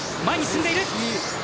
前に進んでいる。